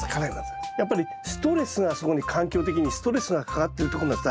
やっぱりストレスがそこに環境的にストレスがかかってるってことなんです